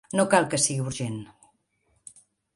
No cal que sigui urgent.